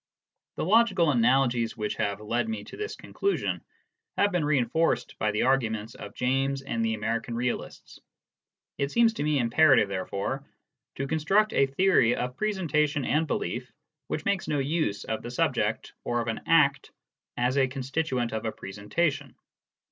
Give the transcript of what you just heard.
The logical analogies which have led me to this conclusion have been reinforced by the arguments of James and the American 26 BERTRAND RUSSELL. realists. It seems to me imperative, therefore, to construct a theory of presentation and belief which makes no use of the " subject," or of an " act " as a constituent of a presentation.